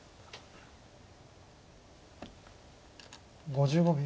５５秒。